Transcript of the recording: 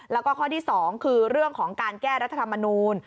แล้วก็ข้อที่๒คือเรื่องของการแก้รัฐธรรมนูล